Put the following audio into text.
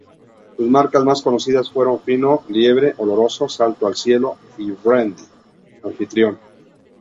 Sus marcas más conocidas fueron fino "Liebre", oloroso "Salto al Cielo" y brandy "Anfitrión".